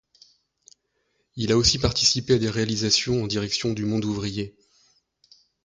Il a aussi participé à des réalisations en direction du monde ouvrier.